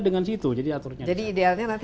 dengan situ jadi aturnya jadi idealnya nanti